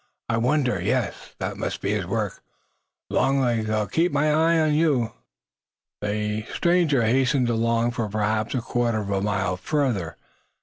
I wonder? Yes! That must be his work! Long legs, I'll keep my eyes on you!" The stranger hastened along for perhaps a quarter of a mile further.